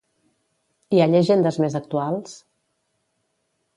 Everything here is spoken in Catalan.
Hi ha llegendes més actuals?